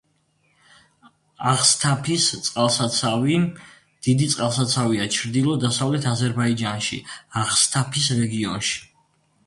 აღსთაფის წყალსაცავი დიდი წყალსაცავია ჩრდილო-დასავლეთ აზერბაიჯანში, აღსთაფის რეგიონში.